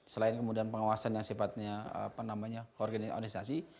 selain kemudian pengawasan yang sifatnya organisasi